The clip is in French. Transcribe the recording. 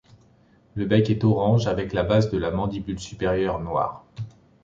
Le bec est orange avec la base de la mandibule supérieure noire.